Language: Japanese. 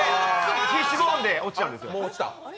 フィッシュボーンで落ちたんです。